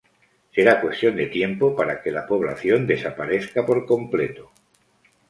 Será cuestión de tiempo para que la población desaparezca por completo.